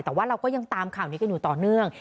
แต่ว่าเราก็ยังตามข่าวนี้กันอยู่ต่อเนื่อง